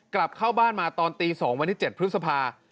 กลับเข้าบ้านมาตอนตี๒วันที่๗พฤษภา